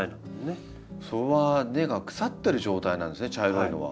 それは根が腐ってる状態なんですね茶色いのは。